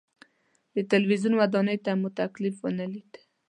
د تلویزیون ودانۍ ته مو تکلیف ونه لید.